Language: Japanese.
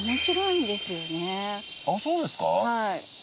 はい。